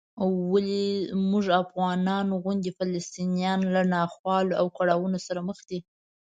ولې موږ افغانانو غوندې فلسطینیان له ناخوالو او کړاوونو سره مخ دي؟